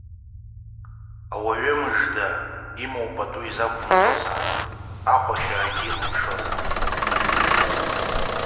Ауаҩы мыжда имоу пату изақәымҵозаап, ахә ашьарагьы илымшозаап.